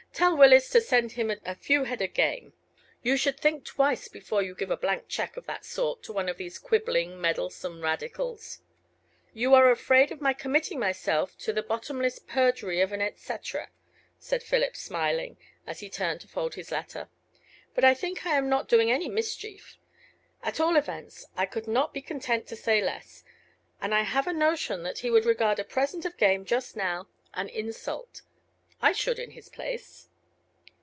Tell Willis to send him a few head of game. You should think twice before you give a blank check of that sort to one of these quibbling, meddlesome Radicals." "You are afraid of my committing myself to 'the bottomless perjury of an et cetera,'" said Philip, smiling, as he turned to fold his letter. "But I think I am not doing any mischief; at all events I could not be content to say less. And I have a notion that he would regard a present of game just now as an insult. I should, in his place."